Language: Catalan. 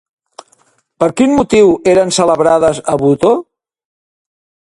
Per quin motiu eren celebrades a Buto?